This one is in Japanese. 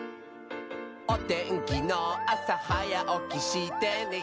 「おてんきのあさはやおきしてね」